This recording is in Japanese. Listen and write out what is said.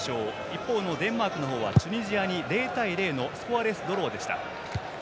一方のデンマークはチュニジアに０対０のスコアレスドローでした。